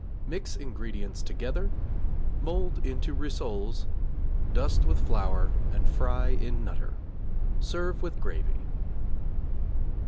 Mix ingredients together; mould into rissoles, dust with flour and fry in 'Nutter.' Serve with gravy.